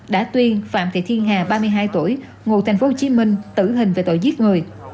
đã tuyên phạm thị thiên hà ba mươi hai tuổi ngụ thành phố hồ chí minh tử hình về tội giết người